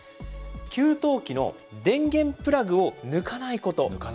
給湯器の電源プラグを抜かないこと。